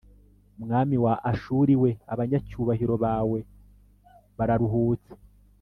mwami wa Ashuri we abanyacyubahiro bawe bararuhutse